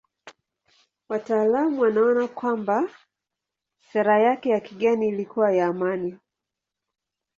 Wataalamu wanaona kwamba sera yake ya kigeni ilikuwa ya amani.